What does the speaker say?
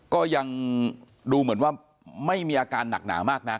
ก็ยังดูเหมือนว่าไม่มีอาการหนักหนามากนัก